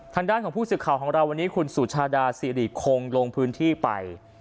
ทางด้านของผู้สื่อข่าวของเราวันนี้คุณสุชาดาสิริคงลงพื้นที่ไป